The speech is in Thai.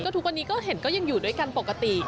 ทุกวันนี้ก็เห็นก็ยังอยู่ด้วยกันปกติ